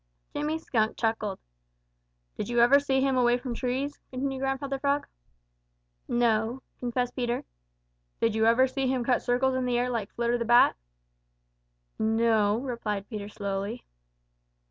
Jimmy Skunk chuckled. "Did you ever see him away from trees?" continued Grandfather Frog. "No," confessed Peter. "Did you ever see him cut circles in the air like Flitter the Bat?" "No o," replied Peter slowly.